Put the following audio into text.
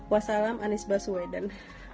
wassalam anies baswedan